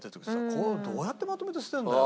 これどうやってまとめて捨てるんだよ。